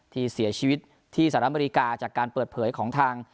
ที่เสียชีวิตที่สหรัฐอเมริกาจากการเปิดเผยของทาง